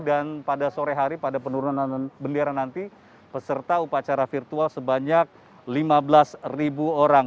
dan pada sore hari pada penurunan bendera nanti peserta upacara virtual sebanyak lima belas orang